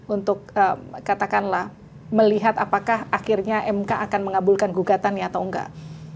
untuk katakanlah melihat apakah akhirnya mk akan mengabulkan gugatannya atau enggak